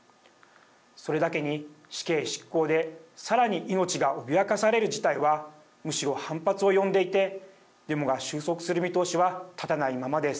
それだけに死刑執行でさらに命が脅かされる事態はむしろ反発を呼んでいてデモが収束する見通しは立たないままです。